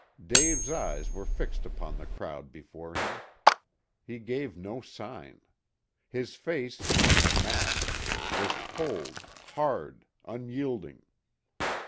Dave's eyes were fixed upon the crowd before him. He gave no sign. His face, like a mask, was cold, hard, unyielding.